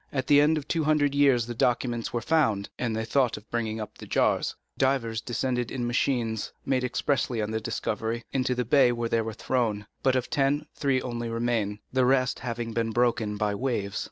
At the end of two hundred years the documents were found, and they thought of bringing up the jars. Divers descended in machines, made expressly on the discovery, into the bay where they were thrown; but of ten three only remained, the rest having been broken by the waves.